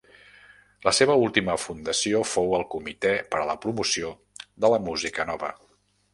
La seva última fundació fou el Comitè per a la Promoció de la Música Nova.